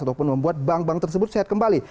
ataupun membuat bank bank tersebut sehat kembali